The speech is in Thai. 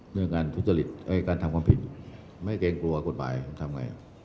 เมื่อการทำความผิดไม่เกรงกลัวกฎหมายทำไง